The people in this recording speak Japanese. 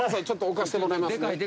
ちょっと置かしてもらいますね。